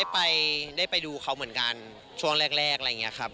ได้ไปดูเขาเหมือนกันช่วงแรกอะไรอย่างนี้ครับ